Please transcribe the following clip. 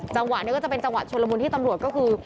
จังหวะนี้ก็จะเป็นจังหวะชนละมุนที่ตำรวจก็คือ